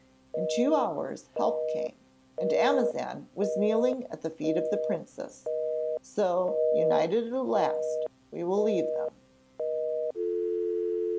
In two hours help came, and Amazan was kneeling at the feet of the princess. So, united at last, we will leave them.